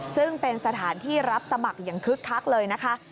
ซึ่งเป็นสถานที่รับสมัครอย่างคึกคักเลยนะคะ